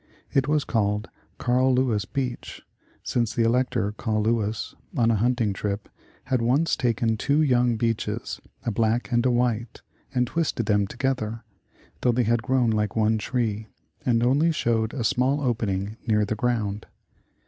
It was called the Carl Louis beech, since the Elector Carl Louis, on a hunting trip, had once taken two young beeches, a black and a white, and twisted them together, till they had grown like one tree, and only showed a small opening near the ground.